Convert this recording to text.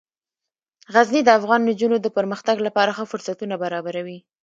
غزني د افغان نجونو د پرمختګ لپاره ښه فرصتونه برابروي.